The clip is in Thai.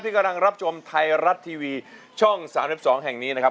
กำลังรับชมไทยรัฐทีวีช่อง๓๒แห่งนี้นะครับ